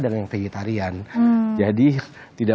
bukan dari tadi apa tadi